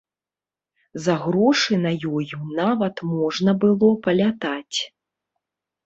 За грошы на ёй нават можна было палятаць.